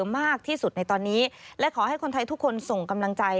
มากที่สุดในตอนนี้และขอให้คนไทยทุกคนส่งกำลังใจ